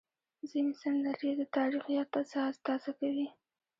ځینې سندرې د تاریخ یاد تازه کوي.